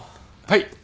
はい。